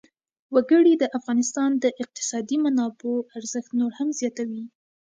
وګړي د افغانستان د اقتصادي منابعو ارزښت نور هم زیاتوي.